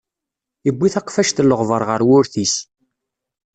Yuwi taqfact n leɣbar ɣer wurti-s.